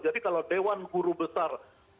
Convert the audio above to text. jadi kalau dewan guru besar fakultas kedokteran